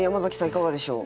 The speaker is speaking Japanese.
いかがでしょう？